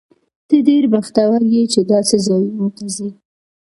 ته ډېر بختور یې، چې داسې ځایونو ته ځې.